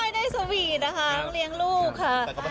ไม่ค่อยได้สวีตนะคะเลี้ยงลูกค่ะ